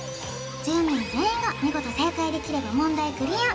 １０人全員が見事正解できれば問題クリア